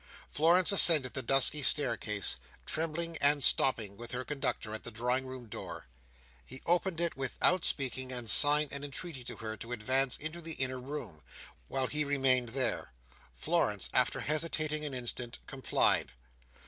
Florence ascended the dusky staircase, trembling; and stopped, with her conductor, at the drawing room door. He opened it, without speaking, and signed an entreaty to her to advance into the inner room, while he remained there. Florence, after hesitating an instant, complied.